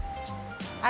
adonan puding ini